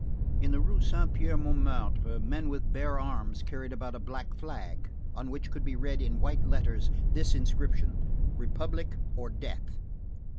In the Rue Saint Pierre Montmartre, men with bare arms carried about a black flag, on which could be read in white letters this inscription: "Republic or Death!"